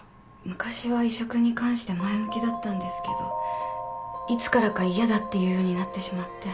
昔は移植に関して前向きだったんですけどいつからか嫌だって言うようになってしまって。